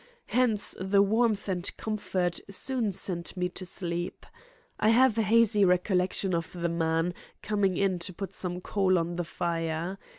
Hence the warmth and comfort soon sent me to sleep. I have a hazy recollection of the man coming in to put some coal on the fire.